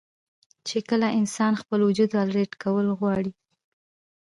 چې کله انسان خپل وجود الرټ کول غواړي